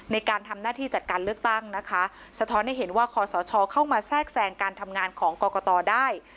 ในการทำหน้าที่จัดการเลือกตั้งนะคะสะท้อนให้เห็นว่าคอสชเข้ามาแทรกแทรงการทำงานของกรกตได้